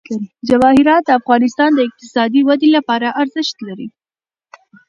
جواهرات د افغانستان د اقتصادي ودې لپاره ارزښت لري.